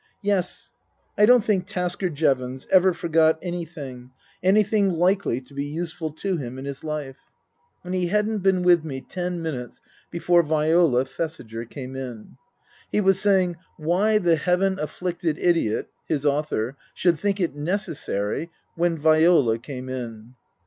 Yes ; I don't think Tasker Jevons ever forgot anything, anything likely to be useful to him, in his life. Book I : My Book 25 And he hadn't been with me ten minutes before Viola Thesiger came in. He was saying " Why the Heaven afflicted idiot " (his author) " should think it necessary " when Viola came in.